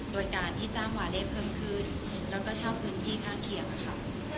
โดยการที่จ้างวาเล่เพิ่มขึ้นแล้วก็เช่าพื้นที่ข้างเคียงค่ะ